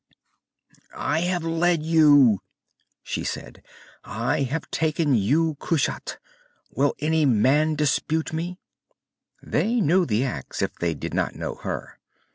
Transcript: "I have led you well," she said. "I have taken you Kushat. Will any man dispute me?" They knew the axe, if they did not know her.